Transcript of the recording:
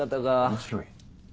面白い？